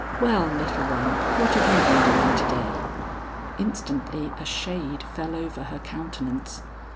"Well, little one, what have you been doing to day?" Instantly a shade fell over her countenance.